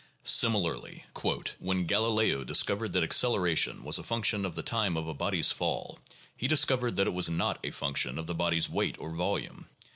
Similarly, "when Galileo discovered that acceleration was a function of the time of a body's fall, he discovered that it was not a function of the body 's weight or volume.